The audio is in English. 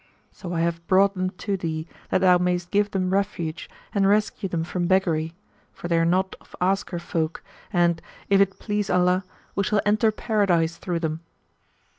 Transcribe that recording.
So I have brought them to thee that thou mayst give them refuge, and rescue them from beggary, for they are not of asker folk and, if it please Allah, we shall enter Paradise through them."